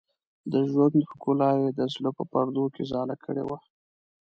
د ژوند ښکلا یې د زړه په پردو کې ځاله کړې وه.